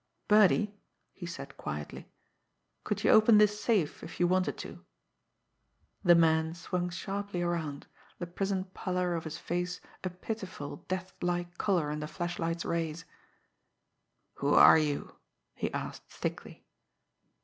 "Birdie," he said quietly, "could you open this safe if you wanted to?" The man swung sharply around, the prison pallor of his face a pitiful, deathlike colour in the flashlight's rays. "Who are you?" he asked thickly.